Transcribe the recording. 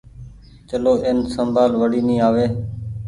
چلو اين سمڀآل وڙي ني آوي۔